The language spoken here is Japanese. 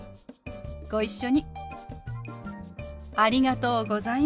ご一緒に。